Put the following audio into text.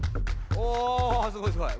おすごいすごい。